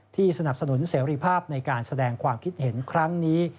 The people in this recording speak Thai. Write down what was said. สนับสนุนเสรีภาพในการแสดงความคิดเห็นครั้งนี้